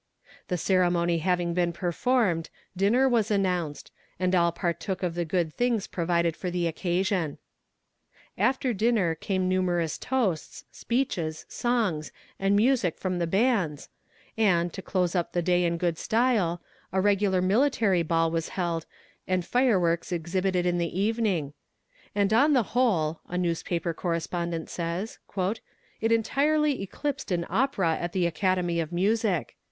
The ceremony having been performed, dinner was announced, and all partook of the good things provided for the occasion. After dinner, came numerous toasts, speeches, songs, and music from the bands, and, to close up the day in good style, a regular military ball was held, and fireworks exhibited in the evening "and on the whole," a newspaper correspondent says, "it entirely eclipsed an opera at the Academy of Music."